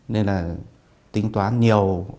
nên là tính toán nhiều